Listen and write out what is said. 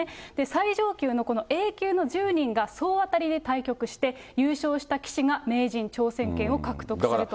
最上級のこのＡ級の１０人が総当たりで対局して、優勝した棋士が名人挑戦権を獲得するという。